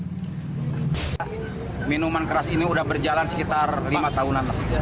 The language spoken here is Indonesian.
menurut pemerintah minuman keras ini berjalan sekitar lima tahunan